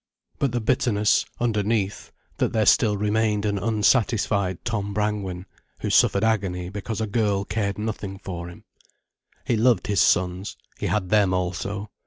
But the bitterness, underneath, that there still remained an unsatisfied Tom Brangwen, who suffered agony because a girl cared nothing for him. He loved his sons—he had them also.